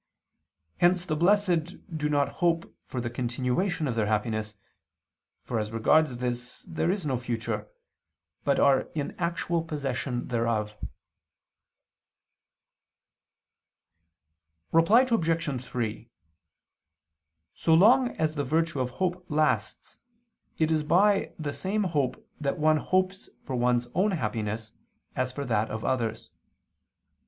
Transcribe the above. Hence the blessed do not hope for the continuation of their happiness (for as regards this there is no future), but are in actual possession thereof. Reply Obj. 3: So long as the virtue of hope lasts, it is by the same hope that one hopes for one's own happiness, and for that of others.